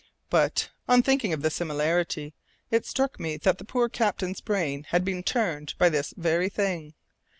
But, on thinking of the similarity, it struck me that the poor captain's brain had been turned by this very thing.